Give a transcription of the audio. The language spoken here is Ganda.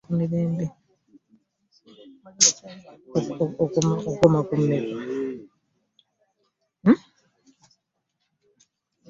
Naye obuwangwa bukyukakyuka okusinziira ku mulembe.